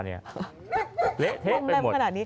เหะไปหมด